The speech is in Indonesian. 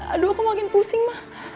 aduh aku makin pusing mah